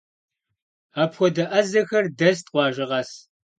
Апхуэдэ ӏэзэхэр дэст къуажэ къэс.